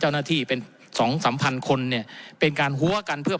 เจ้าหน้าที่เป็นสองสามพันคนเนี่ยเป็นการหัวกันเพื่อ